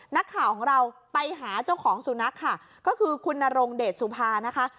นักข่าวของเราไปหาเจ้าของสุนัขค่ะก็คือคุณนรงเดชสุภานะคะ